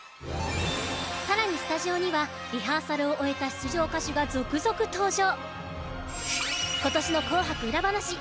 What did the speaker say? さらにスタジオにはリハーサルを終えた出場歌手が続々登場